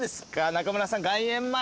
中村さん。